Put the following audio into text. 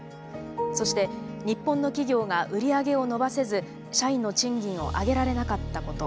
そして日本の企業が売り上げを伸ばせず社員の賃金を上げられなかったこと。